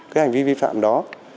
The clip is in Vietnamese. cái hành vi vi phạm đó